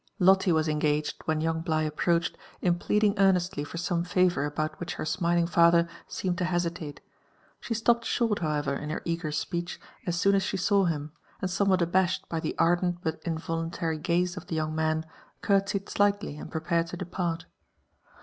Lotte was engaged, when yoUng Bligh approached, in pleading earnestly for some favour about which her smiling father seemed to hesitate. She stopped short however in her eager speech as soon as she saw him, and somewhat abashed by the ardent but involuntary gaze of the young man, curtsied slightly and prepared to depart.